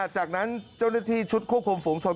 จากนั้นเจ้าหน้าที่ชุดควบคุมฝูงชน